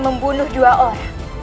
membunuh dua orang